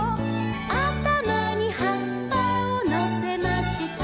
「あたまにはっぱをのせました」